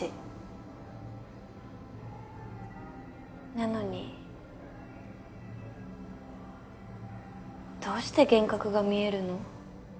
なのにどうして幻覚が見えるの？